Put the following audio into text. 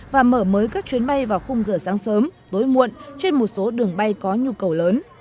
và mở mới các chuyến bay vào khung giờ sáng sớm tối muộn trên một số đường bay có nhu cầu lớn